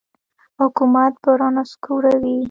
حکومت به را نسکوروي.